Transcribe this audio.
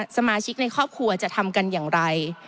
สมาชิกในครอบครัวจะทำกันอย่างไร